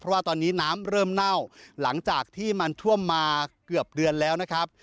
เพราะว่าตอนนี้น้ำเริ่มเน่าหลังจากที่มันท่วมมาเกือบเดือนแล้วนะครับ